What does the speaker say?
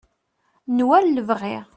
n war lebɣi